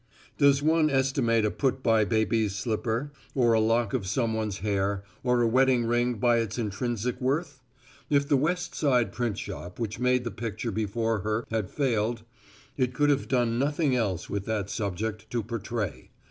Does one estimate a put by baby's slipper, or a lock of someone's hair, or a wedding ring by its intrinsic worth? If the west side print shop which made the picture before her had failed, it could have done nothing else with that subject to portray.